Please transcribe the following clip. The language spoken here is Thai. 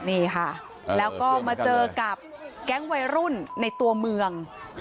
นี่ค่ะแล้วก็มาเจอกับแก๊งวัยรุ่นในตัวเมือง